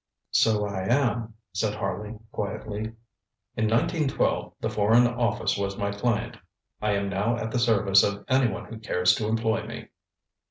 ŌĆØ ŌĆ£So I am, ŌĆØ said Harley quietly. ŌĆ£In 1912 the Foreign Office was my client. I am now at the service of anyone who cares to employ me.